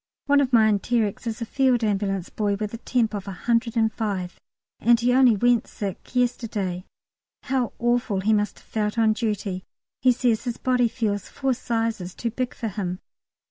One of my enterics is a Field Ambulance boy, with a temp. of 105, and he only "went sick" yesterday. How awful he must have felt on duty. He says his body feels "four sizes too big for him."